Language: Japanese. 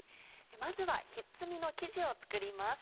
まずはひっつみの生地を作ります。